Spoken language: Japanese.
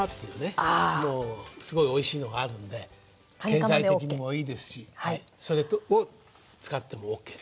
経済的にもいいですしそれを使ってもオッケーです。